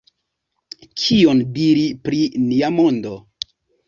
Kion diri pri nia mondo?